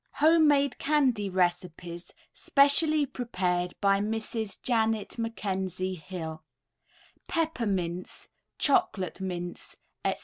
Home Made Candies Recipes Specially Prepared by Mrs. Janet McKenzie Hill PEPPERMINTS, CHOCOLATE MINTS, Etc.